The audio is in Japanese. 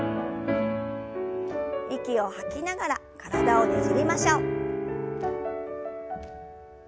息を吐きながら体をねじりましょう。